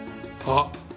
あっ。